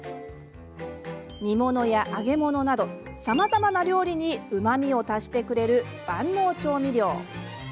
煮物や揚げ物などさまざまな料理にうまみを足してくれる万能調味料。